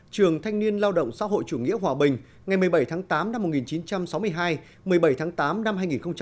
trường thanh niên lao động xã hội chủ nghĩa hòa bình ngày một mươi bảy tháng tám năm một nghìn chín trăm sáu mươi hai một mươi bảy tháng tám năm hai nghìn hai mươi